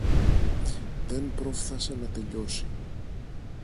Δεν πρόφθασε να τελειώσει.